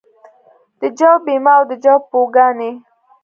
د جو بیمه او د جو پوکاڼې